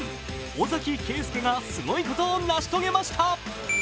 尾崎慶輔がすごいことを成し遂げました。